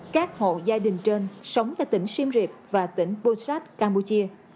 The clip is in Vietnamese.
các hộ gia đình trên sống tại tỉnh sim rịp và tỉnh pusat campuchia